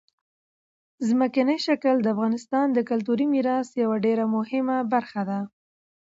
ځمکنی شکل د افغانستان د کلتوري میراث یوه ډېره مهمه برخه ده.